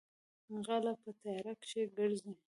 غلۀ پۀ تيارۀ کښې ګرځي ـ